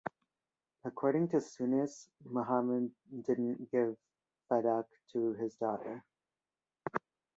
According to Sunnis, Muhammad didn't gift Fadak to his daughter.